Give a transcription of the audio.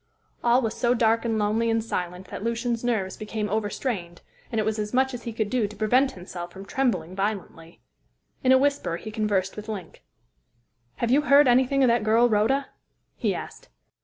All was so dark and lonely and silent that Lucian's nerves became over strained, and it was as much as he could do to prevent himself from trembling violently. In a whisper he conversed with Link. "Have you heard anything of that girl Rhoda?" he asked.